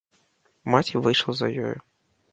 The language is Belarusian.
Маці выйшла за ёю.